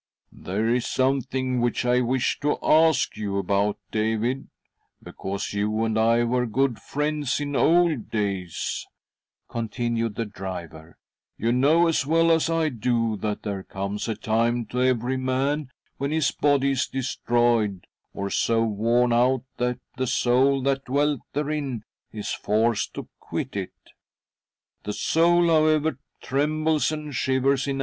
" There is something which I wish to ask you about, David, because you and I were good friends . in old days," continued the driver. " You know as well as I do that there comes a time to every man when his body is destroyed, or so worn out that the soul that dwelt therein is forced to quit it. The soul, however, trembles and shivers in.